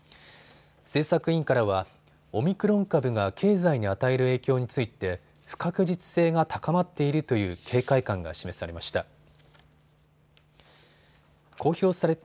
政策委員からはオミクロン株が経済に与える影響について不確実性が高まっているという警戒感が示されました。